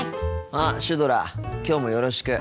あっシュドラきょうもよろしく。